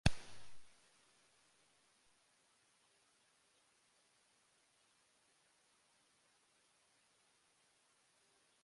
Eventually, Aumann abandoned the idea and withdrew his support from Rips.